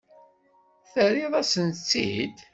Terriḍ-asent-tt-id?